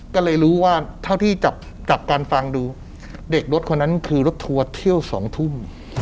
ก็เลยรู้ว่าเท่าที่จับจากการฟังดูเด็กรถคนนั้นคือรถทัวร์เที่ยว๒ทุ่ม